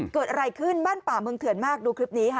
เกิดอะไรขึ้นบ้านป่าเมืองเถื่อนมากดูคลิปนี้ค่ะ